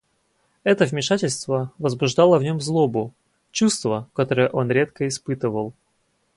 Это вмешательство возбуждало в нем злобу — чувство, которое он редко испытывал.